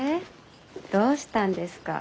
どうしたんですか？